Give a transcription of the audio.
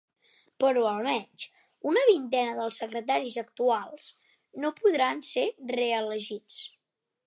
Però almenys una vintena dels secretaris actuals no podran ser reelegits.